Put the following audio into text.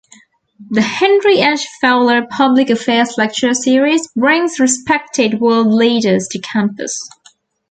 The Henry H. Fowler Public Affairs Lecture Series brings respected world leaders to campus.